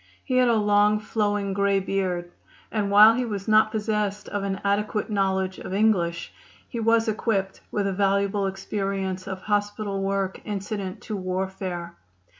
He had a long, flowing grey beard, and while he was not possessed of an adequate knowledge of English, he was equipped with a valuable experience of hospital work incident to warfare.